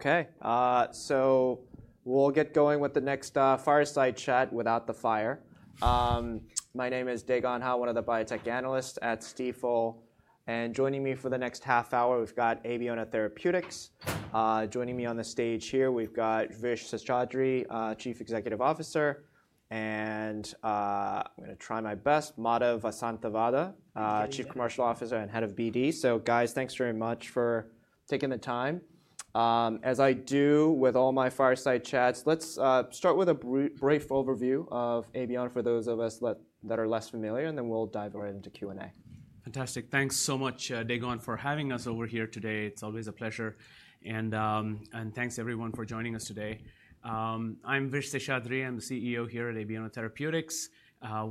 Okay, so we'll get going with the next fireside chat without the fire. My name is Dae Gon Ha, one of the biotech analysts at Stifel, and joining me for the next half hour, we've got Abeona Therapeutics. Joining me on the stage here, we've got Vishwas Seshadri, Chief Executive Officer, and I'm going to try my best. Madhav Vasanthavada, Chief Commercial Officer and Head of BD. So, guys, thanks very much for taking the time. As I do with all my fireside chats, let's start with a brief overview of Abeona for those of us that are less familiar, and then we'll dive right into Q&A. Fantastic. Thanks so much, Dae Gon, for having us over here today. It's always a pleasure. And thanks everyone for joining us today. I'm Vishwas Seshadri. I'm the CEO here at Abeona Therapeutics.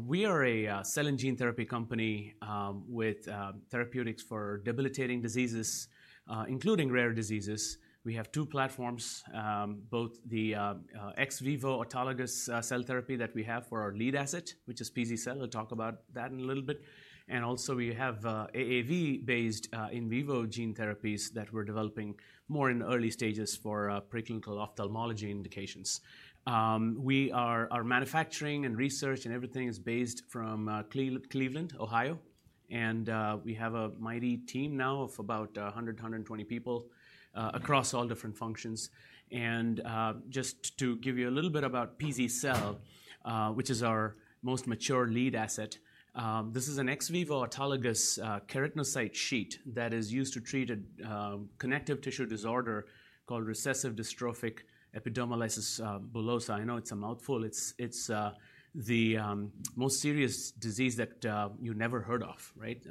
We are a cell and gene therapy company with therapeutics for debilitating diseases, including rare diseases. We have two platforms, both the ex vivo autologous cell therapy that we have for our lead asset, which is pz-cel. I'll talk about that in a little bit. And also we have AAV-based in vivo gene therapies that we're developing more in early stages for preclinical ophthalmology indications. We have our manufacturing and research and everything based in Cleveland, Ohio. And we have a mighty team now of about 100-120 people across all different functions. Just to give you a little bit about pz-cel, which is our most mature lead asset, this is an ex vivo autologous keratinocyte sheet that is used to treat a connective tissue disorder called recessive dystrophic epidermolysis bullosa. I know it's a mouthful. It's the most serious disease that you never heard of, right?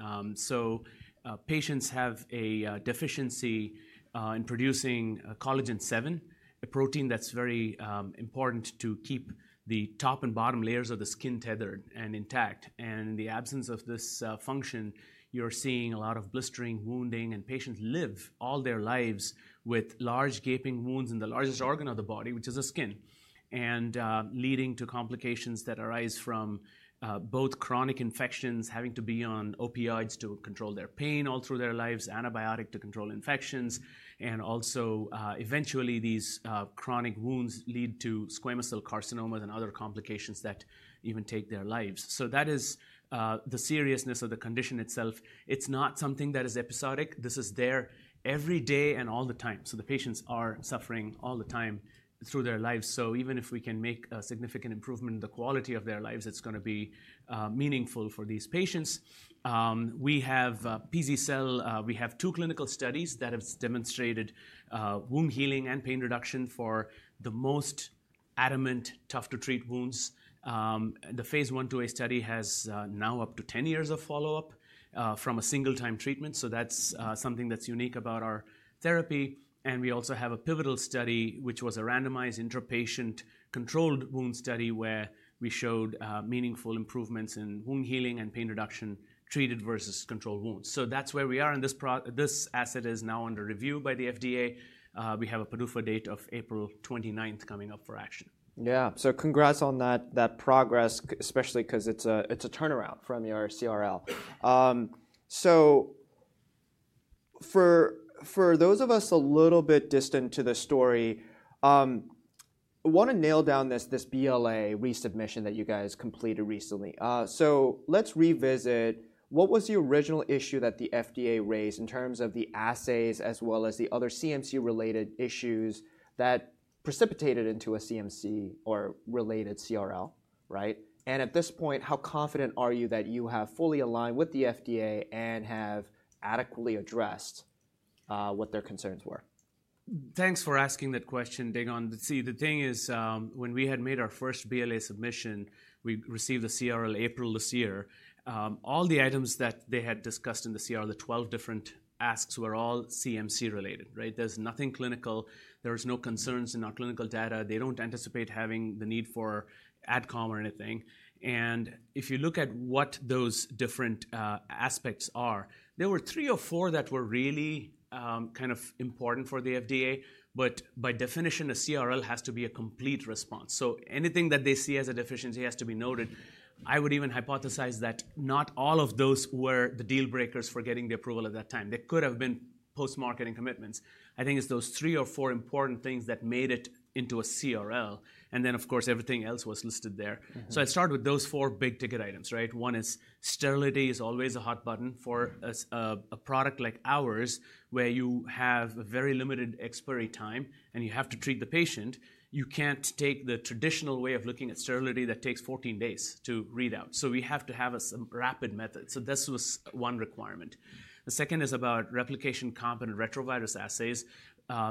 Patients have a deficiency in producing collagen VII, a protein that's very important to keep the top and bottom layers of the skin tethered and intact. And in the absence of this function, you're seeing a lot of blistering, wounding, and patients live all their lives with large gaping wounds in the largest organ of the body, which is the skin, and leading to complications that arise from both chronic infections, having to be on opioids to control their pain all through their lives, antibiotic to control infections, and also eventually these chronic wounds lead to squamous cell carcinomas and other complications that even take their lives. So that is the seriousness of the condition itself. It's not something that is episodic. This is there every day and all the time. So the patients are suffering all the time through their lives. So even if we can make a significant improvement in the quality of their lives, it's going to be meaningful for these patients. We have pz-cel. We have two clinical studies that have demonstrated wound healing and pain reduction for the most advanced, tough to treat wounds. The phase 1/2a study has now up to 10 years of follow-up from a single-time treatment. So that's something that's unique about our therapy. And we also have a pivotal study, which was a randomized intrapatient controlled wound study where we showed meaningful improvements in wound healing and pain reduction treated versus controlled wounds. So that's where we are. And this asset is now under review by the FDA. We have a PDUFA date of April 29th coming up for action. Yeah. So congrats on that progress, especially because it's a turnaround from your CRL. So for those of us a little bit distant to the story, I want to nail down this BLA resubmission that you guys completed recently. So let's revisit what was the original issue that the FDA raised in terms of the assays as well as the other CMC-related issues that precipitated into a CMC or related CRL, right? And at this point, how confident are you that you have fully aligned with the FDA and have adequately addressed what their concerns were? Thanks for asking that question, Dae Gon. See, the thing is, when we had made our first BLA submission, we received the CRL April this year. All the items that they had discussed in the CRL, the 12 different asks were all CMC-related, right? There's nothing clinical. There were no concerns in our clinical data. They don't anticipate having the need for AdCom or anything. And if you look at what those different aspects are, there were three or four that were really kind of important for the FDA, but by definition, a CRL has to be a complete response. So anything that they see as a deficiency has to be noted. I would even hypothesize that not all of those were the deal breakers for getting the approval at that time. There could have been post-marketing commitments. I think it's those three or four important things that made it into a CRL. And then, of course, everything else was listed there. So I start with those four big ticket items, right? One is sterility is always a hot button for a product like ours, where you have a very limited expiry time and you have to treat the patient. You can't take the traditional way of looking at sterility that takes 14 days to read out. So we have to have some rapid method. So this was one requirement. The second is about replication competent retrovirus assays.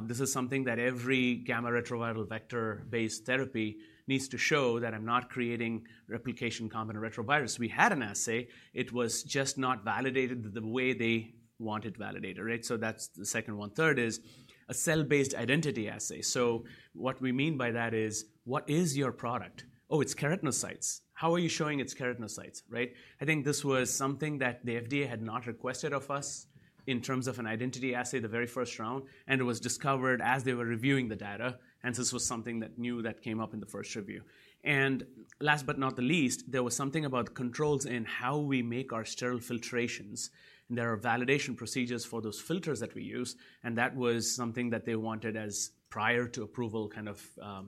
This is something that every gamma retroviral vector-based therapy needs to show that I'm not creating replication competent retrovirus. We had an assay. It was just not validated the way they wanted validated, right? So that's the second one. Third is a cell-based identity assay. So what we mean by that is, what is your product? Oh, it's keratinocytes. How are you showing it's keratinocytes, right? I think this was something that the FDA had not requested of us in terms of an identity assay the very first round, and it was discovered as they were reviewing the data. And so this was something new that came up in the first review. And last but not least, there was something about controls in how we make our sterile filtrations. There are validation procedures for those filters that we use. And that was something that they wanted as prior to approval kind of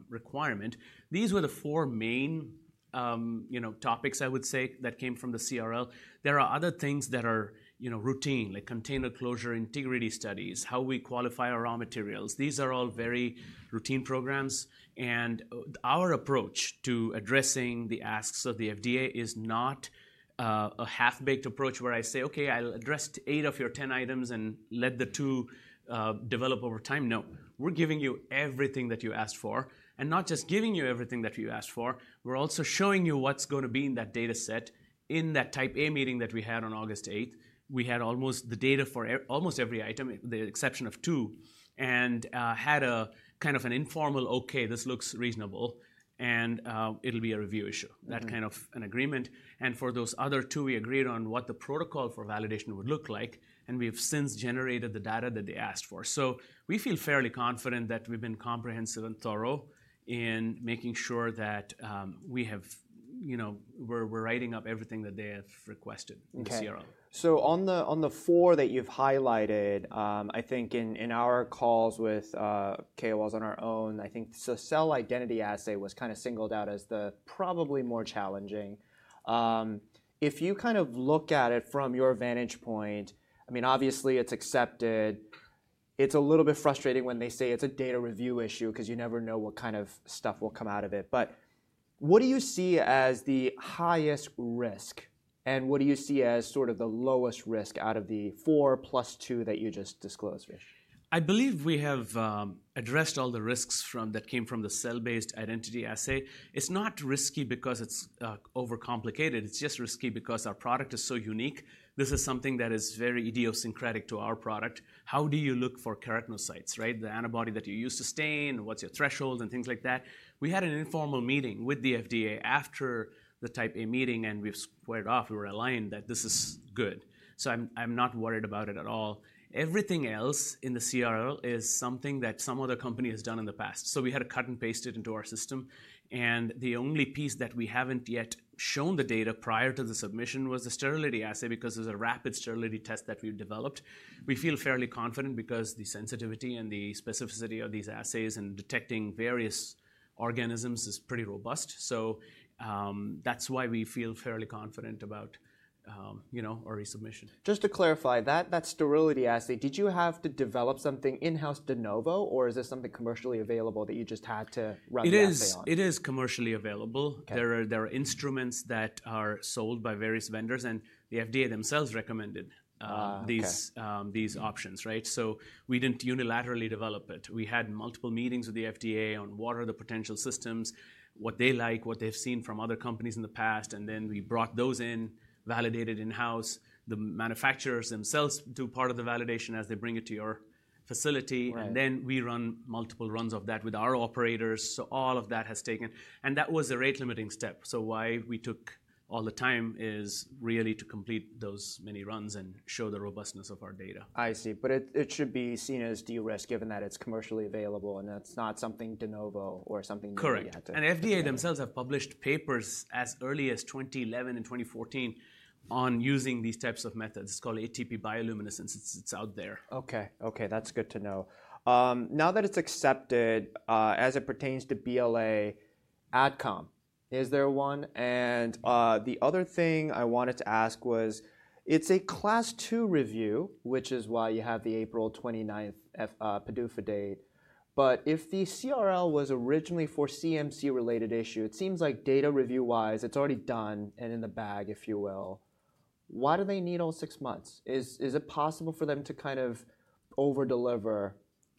requirement. These were the four main, you know, topics I would say that came from the CRL. There are other things that are, you know, routine, like container closure integrity studies, how we qualify our raw materials. These are all very routine programs, and our approach to addressing the asks of the FDA is not a half-baked approach where I say, okay, I'll address eight of your 10 items and let the two develop over time. No, we're giving you everything that you asked for, and not just giving you everything that you asked for, we're also showing you what's going to be in that data set in that Type A meeting that we had on August 8th. We had almost the data for almost every item, the exception of two, and had a kind of an informal, okay, this looks reasonable, and it'll be a review issue, that kind of an agreement, for those other two we agreed on what the protocol for validation would look like, and we have since generated the data that they asked for. So we feel fairly confident that we've been comprehensive and thorough in making sure that we have, you know, we're writing up everything that they have requested in the CRL. Okay. So on the, on the four that you've highlighted, I think in, in our calls with KOLs on our own, I think the cell identity assay was kind of singled out as the probably more challenging. If you kind of look at it from your vantage point, I mean, obviously it's accepted. It's a little bit frustrating when they say it's a data review issue because you never know what kind of stuff will come out of it. But what do you see as the highest risk? And what do you see as sort of the lowest risk out of the four plus two that you just disclosed? I believe we have addressed all the risks from that came from the cell-based identity assay. It's not risky because it's overcomplicated. It's just risky because our product is so unique. This is something that is very idiosyncratic to our product. How do you look for keratinocytes, right? The antibody that you use to stain, what's your threshold and things like that. We had an informal meeting with the FDA after the Type A meeting, and we've squared off. We were aligned that this is good. So I'm not worried about it at all. Everything else in the CRL is something that some other company has done in the past. So we had to cut and paste it into our system, and the only piece that we haven't yet shown the data prior to the submission was the sterility assay because there's a rapid sterility test that we've developed. We feel fairly confident because the sensitivity and the specificity of these assays and detecting various organisms is pretty robust, so that's why we feel fairly confident about, you know, our resubmission. Just to clarify that, that sterility assay, did you have to develop something in-house de novo, or is this something commercially available that you just had to run your own? It is commercially available. There are instruments that are sold by various vendors, and the FDA themselves recommended these options, right? So we didn't unilaterally develop it. We had multiple meetings with the FDA on what are the potential systems, what they like, what they've seen from other companies in the past. And then we brought those in, validated in-house. The manufacturers themselves do part of the validation as they bring it to your facility. And then we run multiple runs of that with our operators. So all of that has taken, and that was a rate-limiting step. So why we took all the time is really to complete those many runs and show the robustness of our data. I see. But it should be seen as de-risk given that it's commercially available and that's not something de novo or something that you have to. Correct, and the FDA themselves have published papers as early as 2011 and 2014 on using these types of methods. It's called ATP bioluminescence. It's out there. Okay. Okay. That's good to know. Now that it's accepted, as it pertains to BLA AdCom, is there one? And the other thing I wanted to ask was it's a Class 2 review, which is why you have the April 29th PDUFA date. But if the CRL was originally for CMC-related issue, it seems like data review-wise, it's already done and in the bag, if you will. Why do they need all six months? Is it possible for them to kind of overdeliver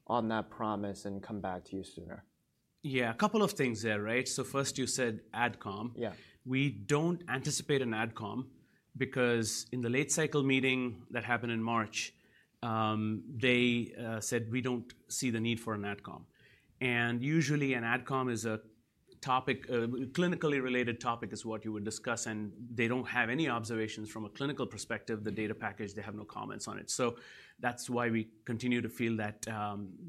on that promise and come back to you sooner? Yeah, a couple of things there, right? So first you said AdCom. Yeah. We don't anticipate an AdCom because in the late cycle meeting that happened in March, they said we don't see the need for an AdCom. And usually an AdCom is a topic, clinically related topic is what you would discuss. And they don't have any observations from a clinical perspective, the data package, they have no comments on it. So that's why we continue to feel that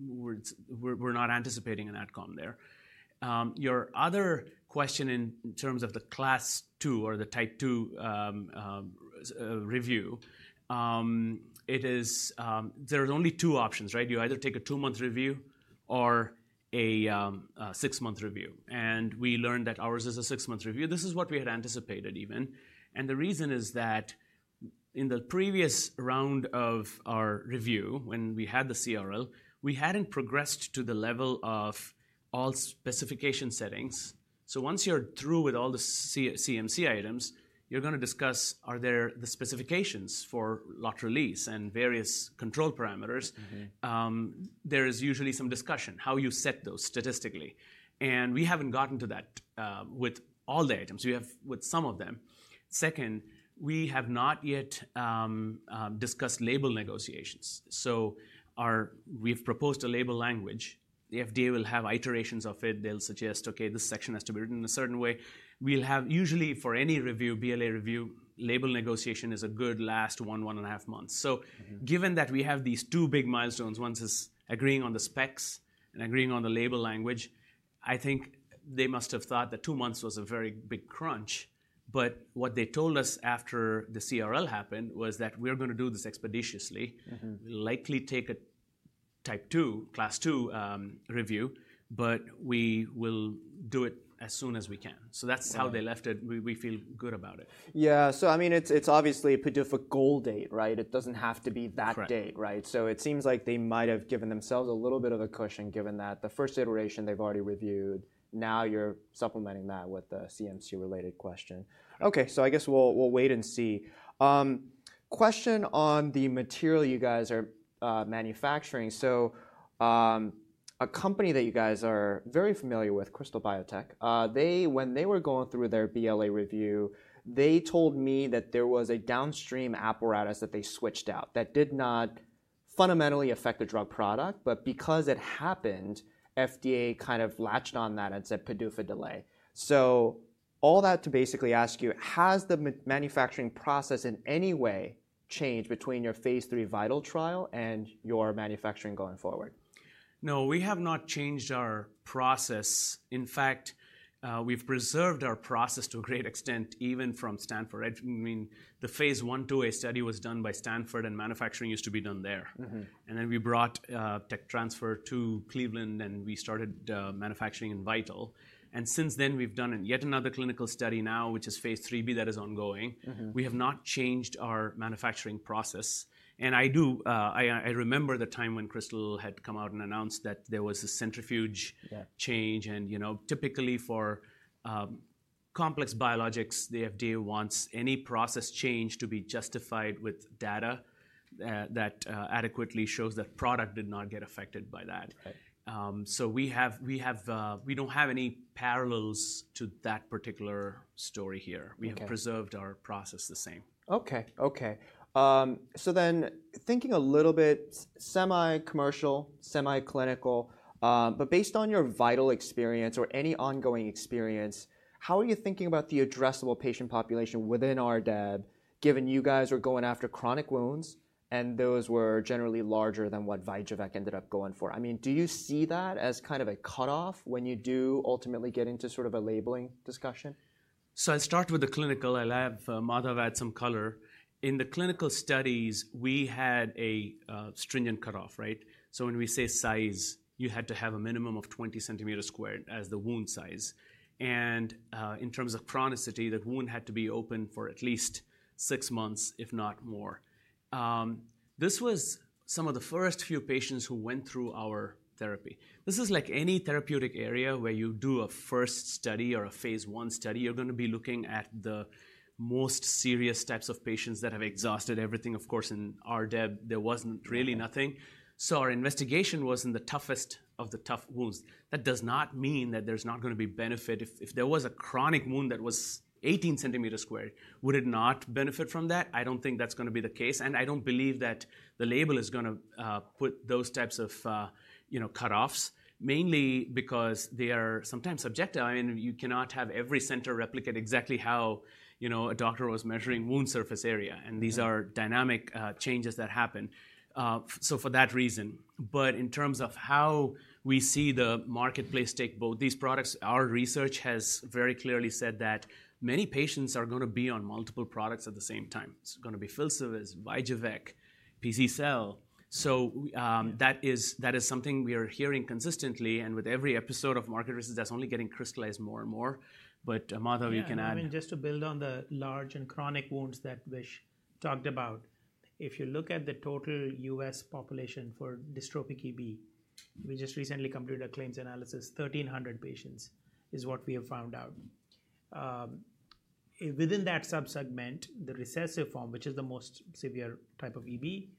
we're not anticipating an AdCom there. Your other question in terms of the Class 2 or the type 2 review, it is, there are only two options, right? You either take a two-month review or a six-month review. And we learned that ours is a six-month review. This is what we had anticipated even. And the reason is that in the previous round of our review, when we had the CRL, we hadn't progressed to the level of all specification settings. So once you're through with all the CMC items, you're going to discuss are there the specifications for lot release and various control parameters. There is usually some discussion how you set those statistically. And we haven't gotten to that with all the items. We have with some of them. Second, we have not yet discussed label negotiations. So our, we've proposed a label language. The FDA will have iterations of it. They'll suggest, okay, this section has to be written in a certain way. We'll have usually for any review, BLA review, label negotiation is a good last one, one and a half months. So given that we have these two big milestones, one is agreeing on the specs and agreeing on the label language, I think they must have thought that two months was a very big crunch. But what they told us after the CRL happened was that we're going to do this expeditiously. We'll likely take a type 2, Class 2 review, but we will do it as soon as we can. So that's how they left it. We feel good about it. Yeah. So I mean, it's obviously a PDUFA goal date, right? It doesn't have to be that date, right? So it seems like they might've given themselves a little bit of a cushion given that the first iteration they've already reviewed, now you're supplementing that with the CMC-related question. Okay. So I guess we'll wait and see. Question on the material you guys are manufacturing. So, a company that you guys are very familiar with, Krystal Biotech, they, when they were going through their BLA review, they told me that there was a downstream apparatus that they switched out that did not fundamentally affect the drug product, but because it happened, FDA kind of latched on that and said PDUFA delay. So all that to basically ask you, has the manufacturing process in any way changed between your phase 3 VIITAL trial and your manufacturing going forward? No, we have not changed our process. In fact, we've preserved our process to a great extent, even from Stanford. I mean, the phase 1/2a study was done by Stanford and manufacturing used to be done there, and then we brought tech transfer to Cleveland and we started manufacturing in VIITAL. And since then we've done yet another clinical study now, which is phase 3b that is ongoing. We have not changed our manufacturing process, and I do remember the time when Krystal had come out and announced that there was a centrifuge change and, you know, typically for complex biologics, the FDA wants any process change to be justified with data that adequately shows that product did not get affected by that. So we don't have any parallels to that particular story here. We have preserved our process the same. Okay. Okay. So then thinking a little bit semi-commercial, semi-clinical, but based on your VIITAL experience or any ongoing experience, how are you thinking about the addressable patient population within RDEB, given you guys are going after chronic wounds and those were generally larger than what Vyjuvek ended up going for? I mean, do you see that as kind of a cutoff when you do ultimately get into sort of a labeling discussion? I start with the clinical. I'll have Madhav add some color. In the clinical studies, we had a stringent cutoff, right? When we say size, you had to have a minimum of 20 square centimeters as the wound size. And, in terms of chronicity, that wound had to be open for at least six months, if not more. This was some of the first few patients who went through our therapy. This is like any therapeutic area where you do a first study or a phase one study, you're going to be looking at the most serious types of patients that have exhausted everything. Of course, in our DEB, there wasn't really nothing. Our investigational was in the toughest of the tough wounds. That does not mean that there's not going to be benefit. If there was a chronic wound that was 18 centimeters squared, would it not benefit from that? I don't think that's going to be the case, and I don't believe that the label is going to put those types of, you know, cutoffs, mainly because they are sometimes subjective. I mean, you cannot have every center replicate exactly how, you know, a doctor was measuring wound surface area. And these are dynamic changes that happen, so for that reason, but in terms of how we see the marketplace take both these products, our research has very clearly said that many patients are going to be on multiple products at the same time. It's going to be Filsuvez, Vyjuvek, pz-cel. That is, that is something we are hearing consistently, and with every episode of market research, that's only getting crystallized more and more, but Madhav, you can add. I mean, just to build on the large and chronic wounds that Vish talked about, if you look at the total U.S. population for dystrophic EB, we just recently completed a claims analysis. 1,300 patients is what we have found out. Within that subsegment, the recessive form, which is the most severe type of EB,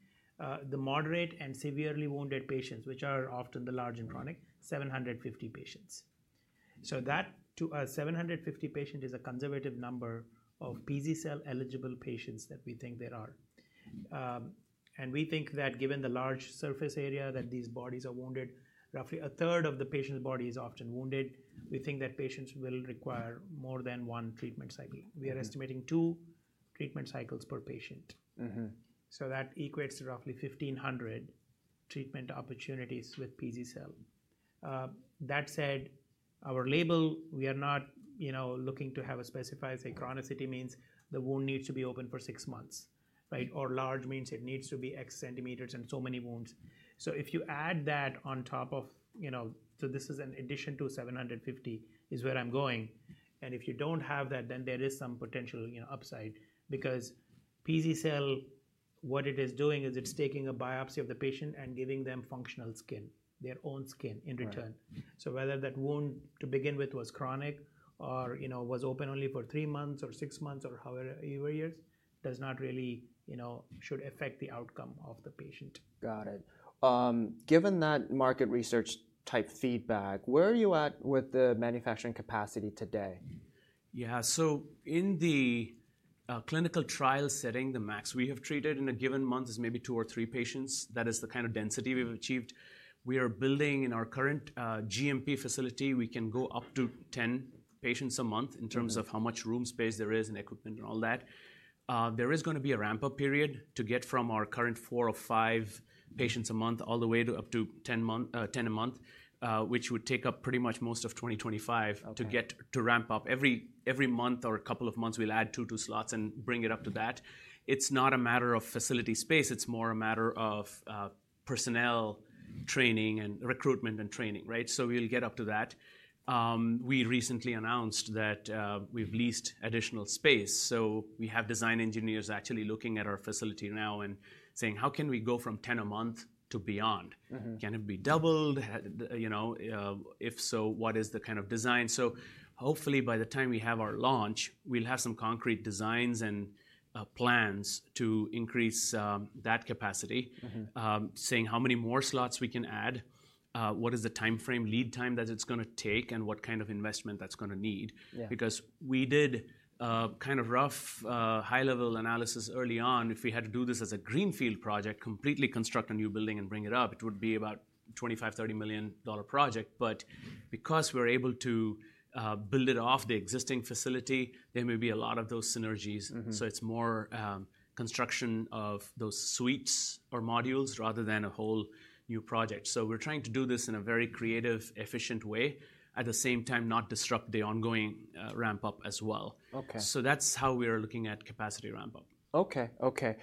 the moderate and severely wounded patients, which are often the large and chronic, 750 patients. So that to a 750 patient is a conservative number of pz-cel eligible patients that we think there are. And we think that given the large surface area that these bodies are wounded, roughly a third of the patient's body is often wounded. We think that patients will require more than one treatment cycle. We are estimating two treatment cycles per patient. So that equates to roughly 1,500 treatment opportunities with pz-cel. That said, our label, we are not, you know, looking to have a specified, say, chronicity means the wound needs to be open for six months, right? Or large means it needs to be X centimeters and so many wounds. So if you add that on top of, you know, so this is in addition to 750 is where I'm going. And if you don't have that, then there is some potential, you know, upside because pz-cel, what it is doing is it's taking a biopsy of the patient and giving them functional skin, their own skin in return. So whether that wound to begin with was chronic or, you know, was open only for three months or six months or however you were years, does not really, you know, should affect the outcome of the patient. Got it. Given that market research type feedback, where are you at with the manufacturing capacity today? Yeah. So in the clinical trial setting, the max we have treated in a given month is maybe two or three patients. That is the kind of density we've achieved. We are building in our current GMP facility. We can go up to 10 patients a month in terms of how much room space there is and equipment and all that. There is going to be a ramp-up period to get from our current four or five patients a month all the way to up to 10 a month, which would take up pretty much most of 2025 to ramp up. Every month or a couple of months, we'll add two slots and bring it up to that. It's not a matter of facility space. It's more a matter of personnel training and recruitment and training, right? So we'll get up to that. We recently announced that we've leased additional space, so we have design engineers actually looking at our facility now and saying, how can we go from 10 a month to beyond? Can it be doubled? You know, if so, what is the kind of design? So hopefully by the time we have our launch, we'll have some concrete designs and plans to increase that capacity, saying how many more slots we can add, what is the timeframe, lead time that it's going to take and what kind of investment that's going to need. Because we did kind of rough high-level analysis early on. If we had to do this as a greenfield project, completely construct a new building and bring it up, it would be about a $25-$30 million project. But because we're able to build it off the existing facility, there may be a lot of those synergies. So it's more construction of those suites or modules rather than a whole new project. So we're trying to do this in a very creative, efficient way, at the same time not disrupt the ongoing ramp-up as well. Okay. That's how we are looking at capacity ramp-up. Okay. Okay.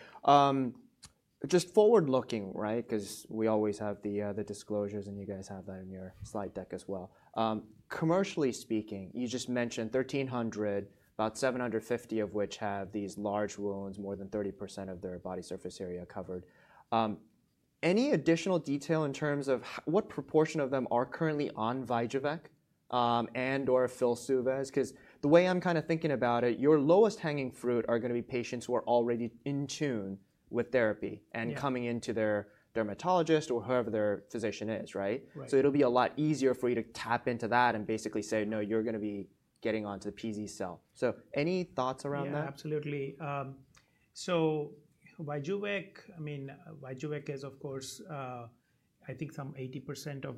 Just forward-looking, right? Because we always have the disclosures and you guys have that in your slide deck as well. Commercially speaking, you just mentioned 1,300, about 750 of which have these large wounds, more than 30% of their body surface area covered. Any additional detail in terms of what proportion of them are currently on Vyjuvek, and/or Filsuvez? Because the way I'm kind of thinking about it, your lowest hanging fruit are going to be patients who are already in tune with therapy and coming into their dermatologist or whoever their physician is, right? So it'll be a lot easier for you to tap into that and basically say, no, you're going to be getting onto the pz-cel. So any thoughts around that? Yeah, absolutely. So Vyjuvek, I mean, Vyjuvek is of course, I think some 75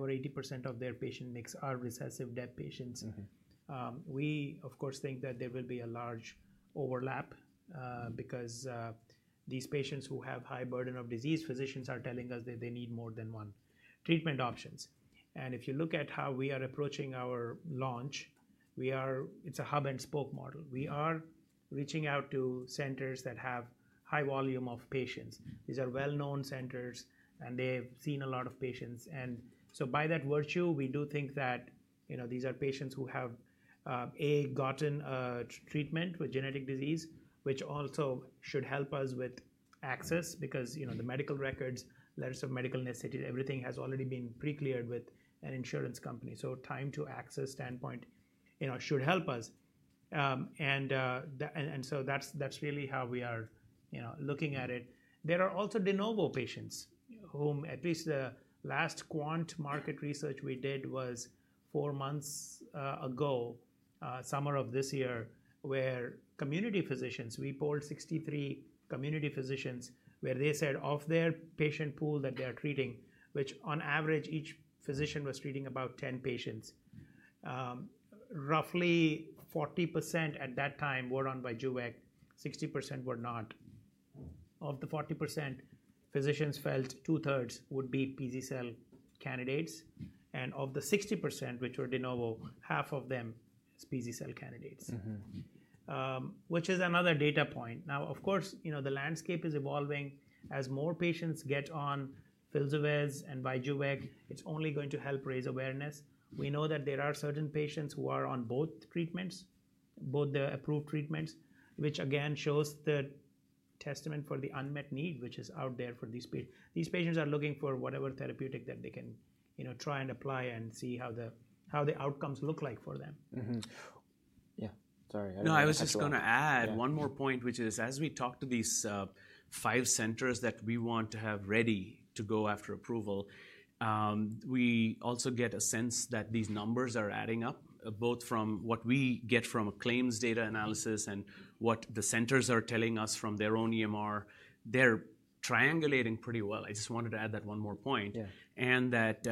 or 80% of their patient mix are recessive DEB patients. We of course think that there will be a large overlap, because these patients who have high burden of disease, physicians are telling us that they need more than one treatment options. If you look at how we are approaching our launch, we are, it's a hub and spoke model. We are reaching out to centers that have high volume of patients. These are well-known centers and they've seen a lot of patients. And so by that virtue, we do think that, you know, these are patients who have, A, gotten a treatment with genetic disease, which also should help us with access because, you know, the medical records, letters of medical necessity, everything has already been pre-cleared with an insurance company. Time-to-access standpoint, you know, should help us, and so that's really how we are, you know, looking at it. There are also de novo patients, whom at least the last quant market research we did was four months ago, summer of this year, where community physicians (we polled 63 community physicians) where they said of their patient pool that they are treating, which on average each physician was treating about 10 patients. Roughly 40% at that time were on Vyjuvek, 60% were not. Of the 40%, physicians felt two-thirds would be pz-cel candidates, and of the 60%, which were de novo, half of them is pz-cel candidates, which is another data point. Now, of course, you know, the landscape is evolving as more patients get on Filsuvez and Vyjuvek, it's only going to help raise awareness. We know that there are certain patients who are on both treatments, both the approved treatments, which again shows the testament for the unmet need, which is out there for these patients. These patients are looking for whatever therapeutic that they can, you know, try and apply and see how the outcomes look like for them. Yeah. Sorry. No, I was just going to add one more point, which is as we talk to these five centers that we want to have ready to go after approval, we also get a sense that these numbers are adding up both from what we get from a claims data analysis and what the centers are telling us from their own EMR. They're triangulating pretty well. I just wanted to add that one more point. And that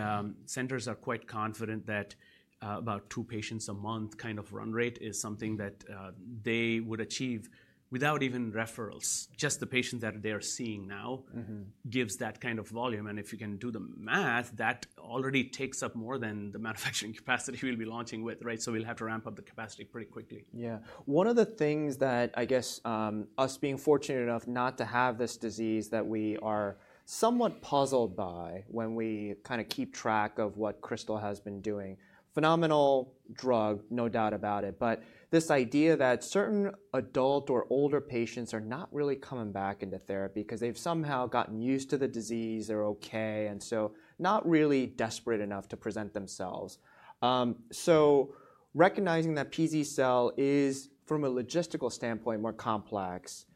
centers are quite confident that about two patients a month kind of run rate is something that they would achieve without even referrals. Just the patients that they are seeing now gives that kind of volume. And if you can do the math, that already takes up more than the manufacturing capacity we'll be launching with, right? So we'll have to ramp up the capacity pretty quickly. Yeah. One of the things that I guess, us being fortunate enough not to have this disease, that we are somewhat puzzled by when we kind of keep track of what Krystal has been doing. Phenomenal drug, no doubt about it. But this idea that certain adult or older patients are not really coming back into therapy because they've somehow gotten used to the disease, they're okay. And so not really desperate enough to present themselves. So recognizing that pz-cel is from a logistical standpoint more complex.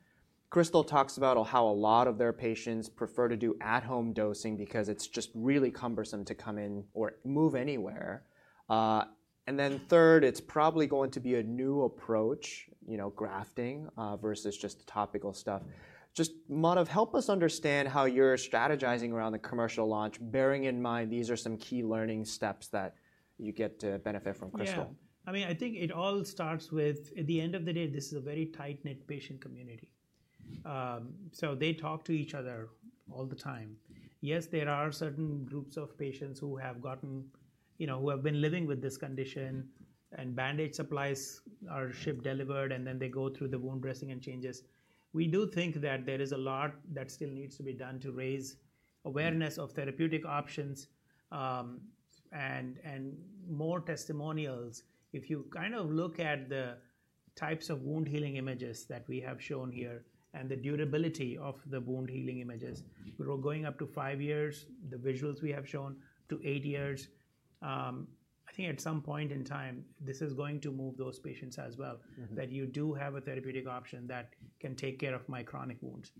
Krystal talks about how a lot of their patients prefer to do at-home dosing because it's just really cumbersome to come in or move anywhere. And then third, it's probably going to be a new approach, you know, grafting, versus just topical stuff. Just Madhav, help us understand how you're strategizing around the commercial launch, bearing in mind these are some key learning steps that you get to benefit from Krystal. Yeah. I mean, I think it all starts with at the end of the day, this is a very tight-knit patient community. So they talk to each other all the time. Yes, there are certain groups of patients who have gotten, you know, who have been living with this condition and bandage supplies are shipped delivered and then they go through the wound dressing and changes. We do think that there is a lot that still needs to be done to raise awareness of therapeutic options, and, and more testimonials. If you kind of look at the types of wound healing images that we have shown here and the durability of the wound healing images, we're going up to five years, the visuals we have shown to eight years. I think at some point in time, this is going to move those patients as well, that you do have a therapeutic option that can take care of my chronic wounds.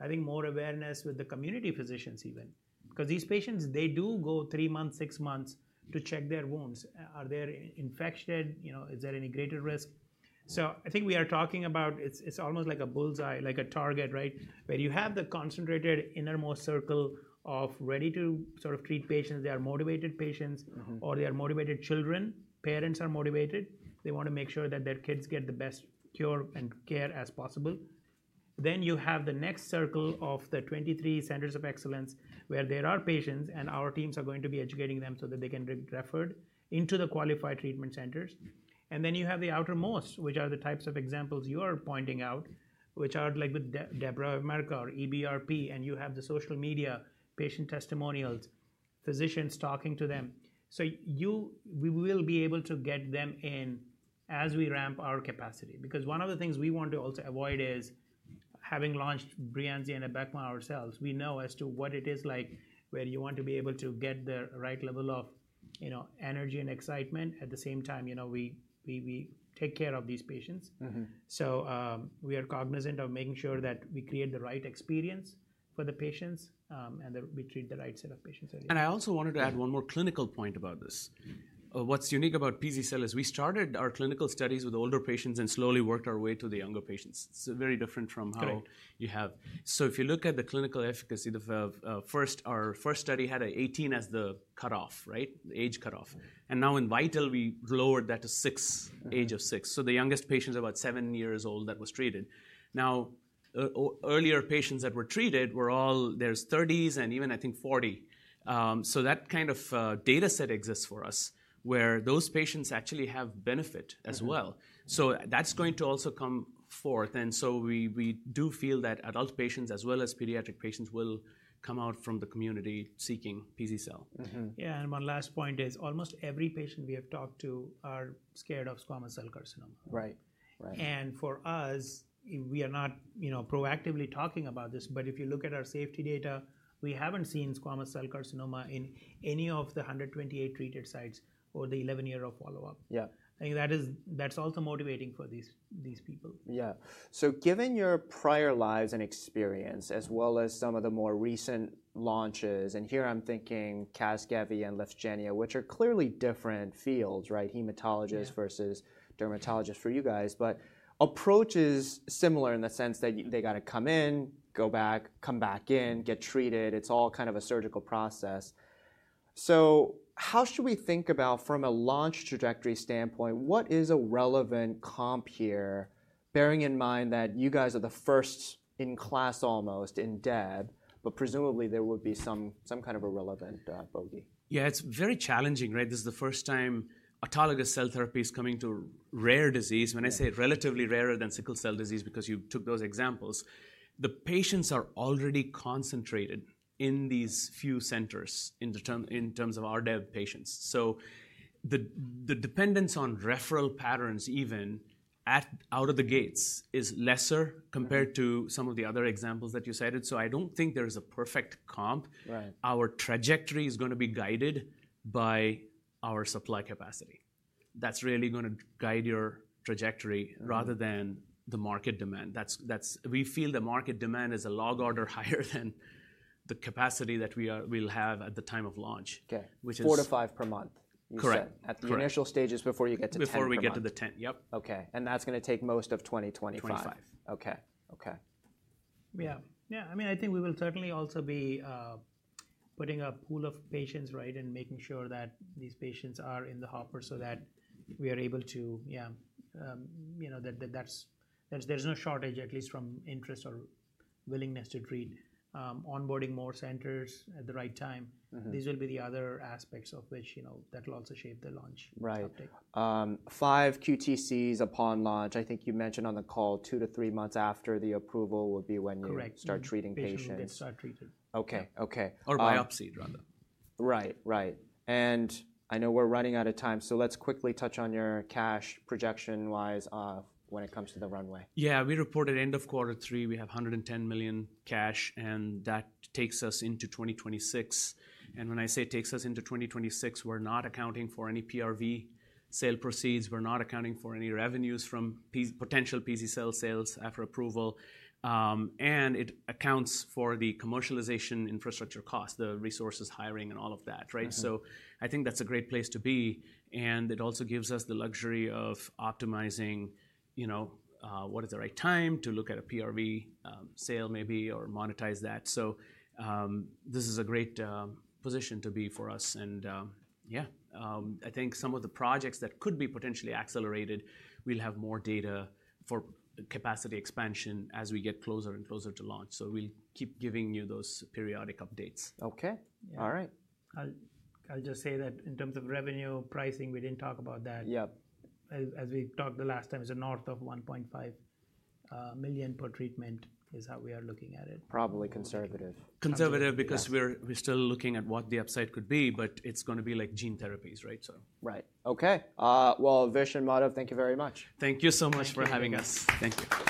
I think more awareness with the community physicians even, because these patients, they do go three months, six months to check their wounds. Are they infected? You know, is there any greater risk? So I think we are talking about, it's, it's almost like a bullseye, like a target, right? Where you have the concentrated innermost circle of ready to sort of treat patients, they are motivated patients or they are motivated children, parents are motivated. They want to make sure that their kids get the best cure and care as possible. Then you have the next circle of the 23 centers of excellence where there are patients and our teams are going to be educating them so that they can be referred into the qualified treatment centers. And then you have the outermost, which are the types of examples you are pointing out, which are like with DEBRA of America, EBRP, and you have the social media patient testimonials, physicians talking to them. So we will be able to get them in as we ramp our capacity. Because one of the things we want to also avoid is having launched Breyanzi and Abecma ourselves, we know as to what it is like where you want to be able to get the right level of, you know, energy and excitement at the same time, you know, we take care of these patients. We are cognizant of making sure that we create the right experience for the patients, and that we treat the right set of patients. I also wanted to add one more clinical point about this. What's unique about pz-cel is we started our clinical studies with older patients and slowly worked our way to the younger patients. It's very different from how you have. So if you look at the clinical efficacy, the first, our first study had an 18 as the cutoff, right? The age cutoff. Now in VIITAL, we lowered that to six, age of six. So the youngest patient is about seven years old that was treated. Now, earlier patients that were treated were all, there's thirties and even I think 40. So that kind of, data set exists for us where those patients actually have benefit as well. So that's going to also come forth. We do feel that adult patients as well as pediatric patients will come out from the community seeking pz-cel. Yeah, and one last point is almost every patient we have talked to are scared of squamous cell carcinoma. Right. Right. For us, we are not, you know, proactively talking about this, but if you look at our safety data, we haven't seen squamous cell carcinoma in any of the 128 treated sites or the 11-year of follow-up. Yeah. I think that is, that's also motivating for these people. Yeah. So given your prior lives and experience, as well as some of the more recent launches, and here I'm thinking Casgevy and Lyfgenia, which are clearly different fields, right? Hematologists versus dermatologists for you guys, but approach is similar in the sense that they got to come in, go back, come back in, get treated. It's all kind of a surgical process. So how should we think about from a launch trajectory standpoint, what is a relevant comp here? Bearing in mind that you guys are the first in class almost in DEB, but presumably there would be some, some kind of a relevant bogey. Yeah, it's very challenging, right? This is the first time autologous cell therapy is coming to rare disease. When I say relatively rarer than sickle cell disease, because you took those examples, the patients are already concentrated in these few centers in terms of our deb patients. So the dependence on referral patterns even at out of the gates is lesser compared to some of the other examples that you cited. So I don't think there is a perfect comp. Our trajectory is going to be guided by our supply capacity. That's really going to guide your trajectory rather than the market demand. That's we feel the market demand is a log order higher than the capacity that we'll have at the time of launch, which is. Four to five per month. Correct. At the initial stages before you get to 10. Before we get to the 10. Yep. Okay. And that's going to take most of 2025. 25. Okay. Okay. Yeah. Yeah. I mean, I think we will certainly also be putting a pool of patients, right? And making sure that these patients are in the hopper so that we are able to, yeah, you know, that that's, there's no shortage, at least from interest or willingness to treat, onboarding more centers at the right time. These will be the other aspects of which, you know, that'll also shape the launch. Right. Five QTCs upon launch. I think you mentioned on the call two to three months after the approval would be when you start treating patients. Correct. They start treated. Okay. Okay. Or biopsied rather. Right. Right. And I know we're running out of time. So let's quickly touch on your cash projection wise when it comes to the runway. Yeah. We reported end of quarter three, we have $110 million cash and that takes us into 2026. And when I say takes us into 2026, we're not accounting for any PRV sale proceeds. We're not accounting for any revenues from potential pz-cel sales after approval. And it accounts for the commercialization infrastructure costs, the resources hiring and all of that, right? So I think that's a great place to be. And it also gives us the luxury of optimizing, you know, what is the right time to look at a PRV sale maybe or monetize that. So this is a great position to be for us. And yeah, I think some of the projects that could be potentially accelerated, we'll have more data for capacity expansion as we get closer and closer to launch. So we'll keep giving you those periodic updates. Okay. All right. I'll just say that in terms of revenue pricing, we didn't talk about that. Yeah. As we talked the last time, it's north of $1.5 million per treatment, is how we are looking at it. Probably conservative. Conservative because we're still looking at what the upside could be, but it's going to be like gene therapies, right? So. Right. Okay. Well, Vish and Madhav, thank you very much. Thank you so much for having us. Thank you.